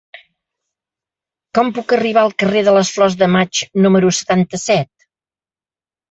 Com puc arribar al carrer de les Flors de Maig número setanta-set?